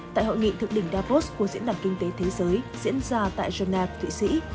tại hội nghị thực đỉnh davos của diễn đàn kinh tế thế giới diễn ra tại geneva thụy sĩ